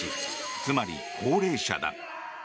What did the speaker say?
つまり、高齢者だ。